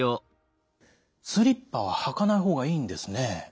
スリッパは履かない方がいいんですね。